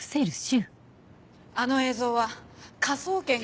あの映像は科捜研が。